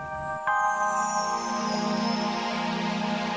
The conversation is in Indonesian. kau sudah mematahkan teori ku